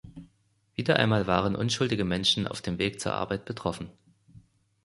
Wieder einmal waren unschuldige Menschen auf dem Weg zur Arbeit betroffen.